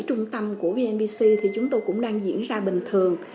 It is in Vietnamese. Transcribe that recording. sáu mươi bảy trung tâm của vnvc thì chúng tôi cũng đang diễn ra bình thường